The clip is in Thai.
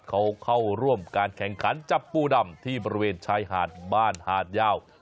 เขาเข้าร่วมการแข่งขันจับปูดำที่บริเวณชายหาดบ้านหาดยาว